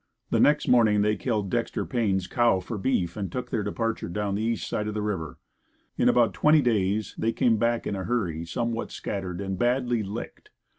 The next morning they killed Dexter Paynes' cow for beef and took their departure down the east side of the river. In about twenty days they came back in a hurry somewhat scattered and badly licked.